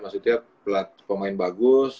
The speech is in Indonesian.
maksudnya pelatih pemain bagus